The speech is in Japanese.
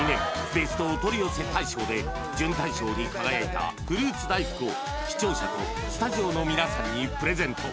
ベストお取り寄せ大賞で準大賞に輝いたフルーツ大福を視聴者とスタジオの皆さんにプレゼント